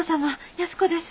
安子です。